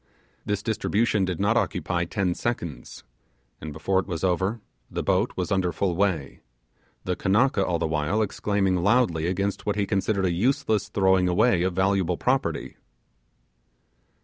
This distribution did not occupy ten seconds, and before it was over the boat was under full way; the Kanaka all the while exclaiming loudly against what he considered a useless throwing away of valuable property.